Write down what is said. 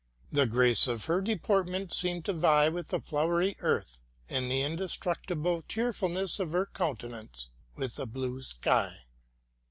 The grace of her deportment seemed to vie with the flowery earth, and the indestructible cheerfulness of her countenance with the blue sky.